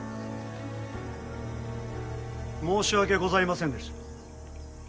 申し訳ございませんでした。